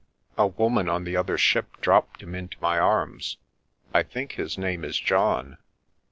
"A woman on the other ship dropped him into m; arms. I think his name is John."